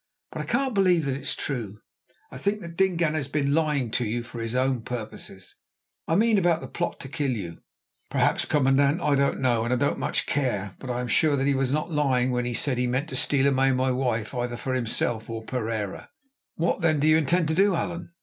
But I can't believe that it is true. I think that Dingaan has been lying to you for his own purposes; I mean about the plot to kill you." "Perhaps, commandant. I don't know, and I don't much care. But I am sure that he was not lying when he said he meant to steal away my wife either for himself or for Pereira." "What, then, do you intend to do, Allan?"